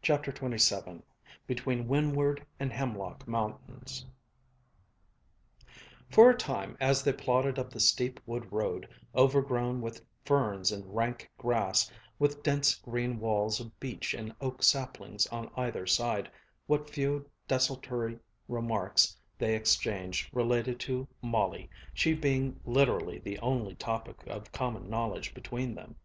CHAPTER XXVII BETWEEN WINDWARD AND HEMLOCK MOUNTAINS For a time as they plodded up the steep wood road, overgrown with ferns and rank grass, with dense green walls of beech and oak saplings on either side, what few desultory remarks they exchanged related to Molly, she being literally the only topic of common knowledge between them.